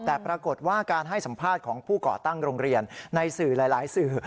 แต่ปรากฏว่าการให้สัมภาษณ์ของผู้ก่อตั้งโรงเรียนในสื่อหลายสื่อ